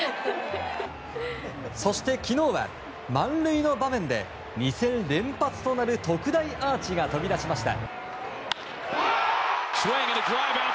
そして昨日は、満塁の場面で２戦連発となる特大アーチが飛び出しました。